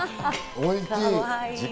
おいしい！